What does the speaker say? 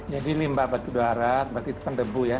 jadi limbah batubara berarti itu kan debu ya